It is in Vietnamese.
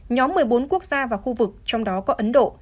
nhóm một mươi bốn quốc gia và khu vực trong đó có ấn độ